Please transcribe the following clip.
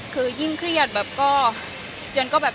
คือยิ่งเครียดแบบก็